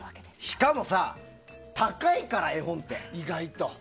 しかもさ高いから、絵本って意外と。